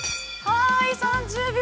◆はーい、３０秒。